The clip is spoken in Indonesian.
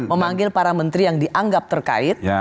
memanggil para menteri yang dianggap terkait